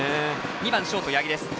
２番ショート、八木です。